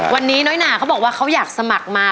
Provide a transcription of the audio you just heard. วันนี้น้อยหนาเขาบอกว่าเขาอยากสมัครมา